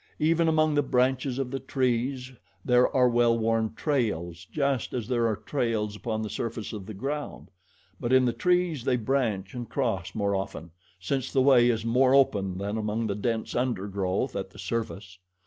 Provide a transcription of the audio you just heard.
Even among the branches of the trees there are well worn trails, just as there are trails upon the surface of the ground; but in the trees they branch and cross more often, since the way is more open than among the dense undergrowth at the surface.